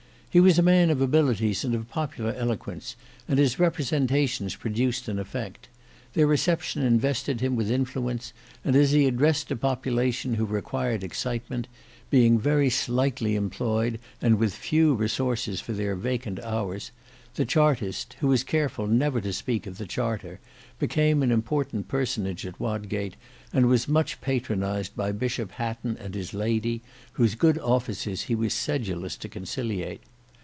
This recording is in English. He was a man of abilities and of popular eloquence, and his representations produced an effect; their reception invested him with influence, and as he addressed a population who required excitement, being very slightly employed and with few resources for their vacant hours, the Chartist who was careful never to speak of the Charter became an important personage at Wodgate, and was much patronized by Bishop Hatton and his Lady, whose good offices he was sedulous to conciliate.